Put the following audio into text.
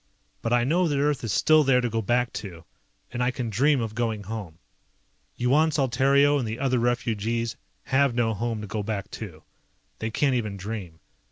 But I know that Earth is still there to go back to, and I can dream of going home. Yuan Saltario and the other refugees have no home to go back to. They can't even dream.